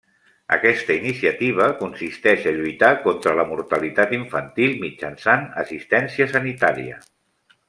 Aquesta iniciativa consisteix a lluitar contra la mortalitat infantil mitjançant assistència sanitària.